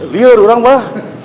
deal udah orang mbah